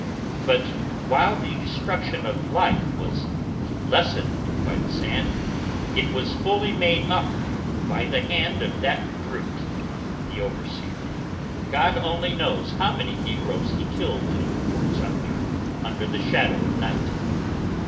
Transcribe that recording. But while the destruction of life was lessened by the sand, it was fully made up by the hand of that brute, the overseer. God only knows how many negroes he killed in Port Sumter under the shadow of night.